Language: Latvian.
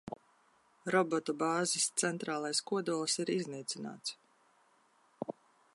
Robotu bāzes centrālais kodols ir iznīcināts.